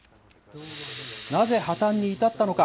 なぜ破綻に至ったのか。